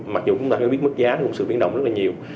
mặc dù chúng ta biết mức giá cũng sự biến động rất là nhiều